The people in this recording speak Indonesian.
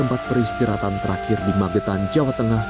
tempat peristirahatan terakhir di magetan jawa tengah